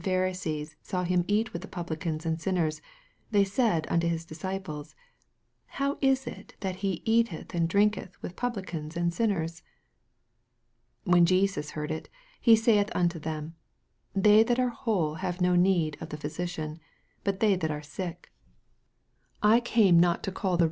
ha risees saw him eat with Publicans and sinners, they said unto his dis ciples, How is it that he eateth and drinketh with Publicans and sinners? 17 When Jesus heard it, he saith unto them, They that are whole have no need of the physician, but they that are sick : I came not to call thu MARK, CHAP.